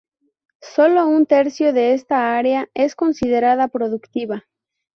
Solo un tercio de esta área es considerada productiva.